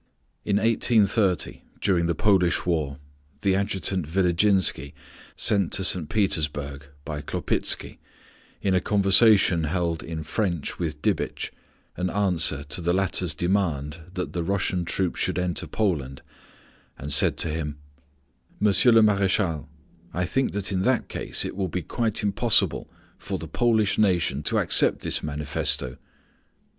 In 1830, during the Polish war, the adjutant Vilijinsky sent to St. Petersburg by Klopitsky, in a conversation held in French with Dibitch, in answer to the latter's demand that the Russian troops should enter Poland, said to him: "Monsieur le Maréchal, I think that in that case it will be quite impossible for the Polish nation to accept this manifesto...."